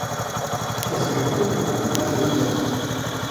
Clasificación do campionato de pilotos